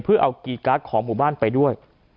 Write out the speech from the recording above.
เพื่อเอากีการ์ดของหมู่บ้านไปด้วย